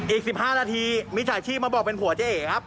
อีก๑๕นาทีมิจฉาชีพมาบอกเป็นผัวเจ๊เอ๋ครับ